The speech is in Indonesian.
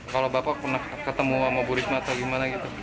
kalau bapak pernah ketemu sama bu risma atau gimana gitu